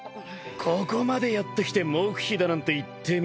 ここまでやってきて黙秘だなんて言ってみぃ。